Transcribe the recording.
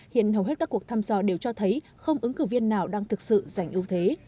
hiện hầu hết các cuộc thăm dò đều cho thấy không ứng cử viên nào đang thực sự giành ưu thế